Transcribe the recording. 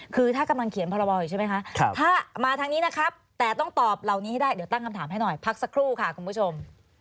คือถ้ากำลังเขียนพรบอยู่ใช่ไหมคะถ้ามาทางนี้นะครับแต่ต้องตอบเหล่านี้ให้ได้เดี๋ยวตั้งคำถามให้หน่อยพักสักครู่ค่ะคุณผู้ชม